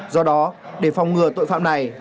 do đó để phòng ngừa tội phạm này